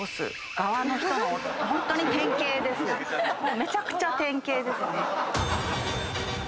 めちゃくちゃ典型ですね。